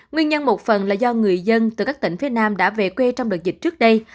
nguyên nhân một phần là do người dân từ các tỉnh phía nam đã về quê trong đợt dịch trước đây